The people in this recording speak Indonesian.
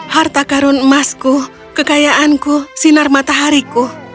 harta karun emasku kekayaanku sinar matahariku